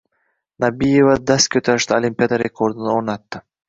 Nabiyeva dast ko‘tarishda Olimpiada rekordini o‘rnatdi